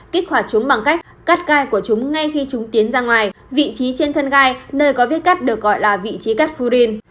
kích hoạt chúng bằng cách cắt gai của chúng ngay khi chúng tiến ra ngoài vị trí trên thân gai nơi có vết cắt được gọi là vị trí cắt furin